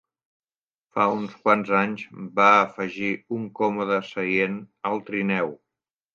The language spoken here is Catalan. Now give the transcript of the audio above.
Fa uns quants anys, va afegir un còmode seient al trineu.